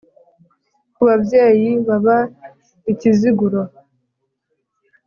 ku babyeyi baba i kiziguro